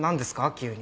急に。